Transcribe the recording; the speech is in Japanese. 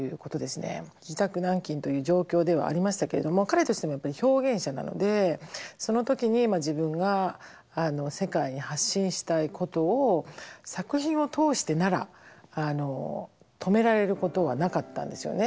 自宅軟禁という状況ではありましたけれども彼としてもやっぱり表現者なのでその時に自分が世界に発信したいことを作品を通してなら止められることはなかったんですよね。